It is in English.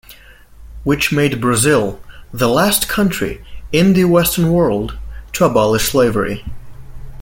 Which made Brazil the last country in the Western world to abolish slavery.